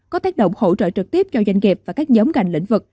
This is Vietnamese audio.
có tác động hỗ trợ trực tiếp cho doanh nghiệp và các nhóm ngành lĩnh vực